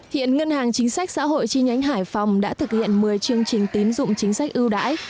hiện ngân hàng chính sách xã hội chi nhánh hải phòng đã thực hiện một mươi chương trình tín dụng chính sách ưu đãi